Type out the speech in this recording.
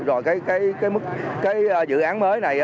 rồi cái dự án mới này